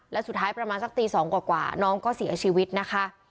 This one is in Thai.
และสุดท้ายประมาณสักตี๒กว่าน้องก็เสียชีวิตนะคะ